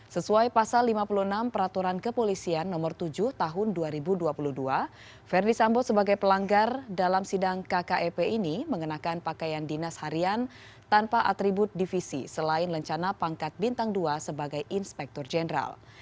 sesuai pasal lima puluh enam peraturan kepolisian nomor tujuh tahun dua ribu dua puluh dua verdi sambo sebagai pelanggar dalam sidang kkep ini mengenakan pakaian dinas harian tanpa atribut divisi selain lencana pangkat bintang dua sebagai inspektur jenderal